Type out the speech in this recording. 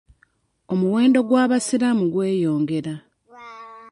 Omuwendo gw'abasiraamu gweyongera.